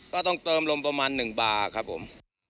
ก็ต้องเติมลมประมาณ๑บาทครับผม